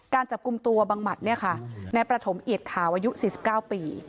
การจับกลุ่มตัวบางหมัดเนี่ยค่ะในประถมเอิดข่าวอายุสี่สิบเก้าปี